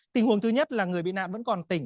tình huống thứ nhất là người bị nạn vẫn còn tỉnh